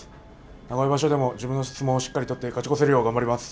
名古屋場所でも自分の相撲をしっかり取って勝ち越せるよう頑張ります。